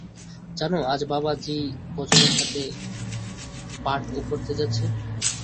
জানো আজ বাবা জি বজনের সাথে পাঠ ও পড়তে যাচ্ছে।